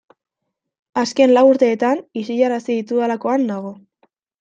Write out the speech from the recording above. Azken lau urteetan isilarazi ditudalakoan nago.